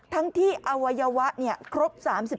ทั้งที่อวัยวะครบ๓๔